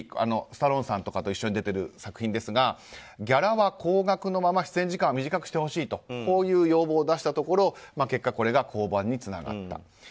スタローンさんとかと一緒に出ている作品ですがギャラは高額のまま出演時間は短くしてほしいというこういう要望を出したところ結果、これが降板につながった。